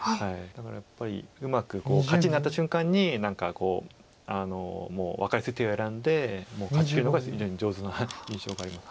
だからやっぱりうまく勝ちになった瞬間にもう分かりやすい手を選んで勝ちきるのが非常に上手な印象があります。